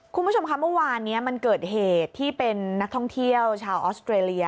คุณผู้ชมค่ะเมื่อวานนี้มันเกิดเหตุที่เป็นนักท่องเที่ยวชาวออสเตรเลีย